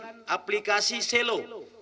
menggunakan aplikasi selo